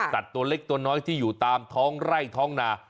ตัวเล็กตัวน้อยที่อยู่ตามท้องไร่ท้องนา